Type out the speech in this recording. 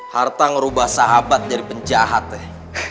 harta ngerubah sahabat jadi penjahat deh